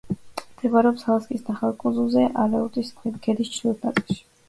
მდებარეობს ალასკის ნახევარკუნძულზე, ალეუტის ქედის ჩრდილოეთ ნაწილში.